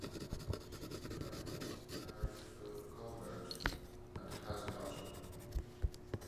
Charlotte married Philip Colbert and has a daughter.